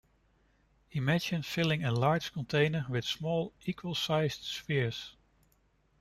Imagine filling a large container with small equal-sized spheres.